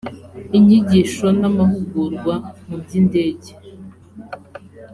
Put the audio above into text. inyigisho n amahugurwa mu by indege